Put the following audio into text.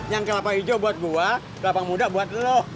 yang kelapa hijau buat gua kelapa muda buat lu